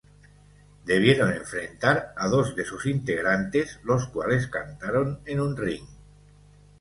Debieron enfrentar a dos de sus integrantes los cuales cantaron en un ring.